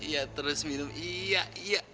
ya terus minum iya iya